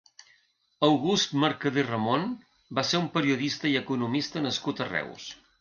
August Mercadé Ramon va ser un periodista i economista nascut a Reus.